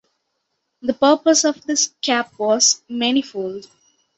The purpose of this cap was many-fold.